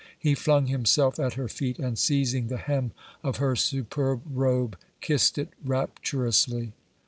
He flung himself at her feet and seizing the hem of her superb robe kissed it rapturously.